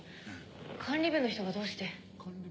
管理部の人が、どうして？